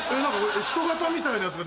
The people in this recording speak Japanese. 人型みたいなやつが。